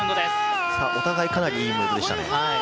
お互いかなりいいムーブでしたね。